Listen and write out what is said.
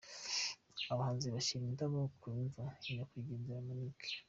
Abahanzi bashyira indabo ku imva ya nyakwigendera Monique.